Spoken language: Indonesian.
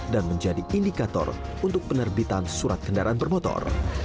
menjadi indikator untuk penerbitan surat kendaraan bermotor